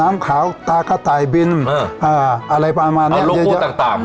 น้ำขาวตากระต่ายบินเอออ่าอะไรประมาณนี้เอาโลโก้ต่างต่าง